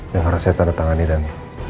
yang harus saya tandatangani dan